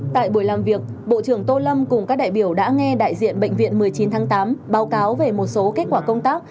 tại buổi làm việc bộ trưởng tô lâm cùng các đại biểu đã nghe đại diện bệnh viện một mươi chín tháng tám báo cáo về một số kết quả công tác